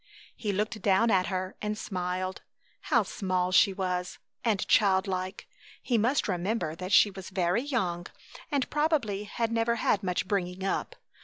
He looked down at her and smiled. How small she was, and child like. He must remember that she was very young, and probably had never had much bringing up.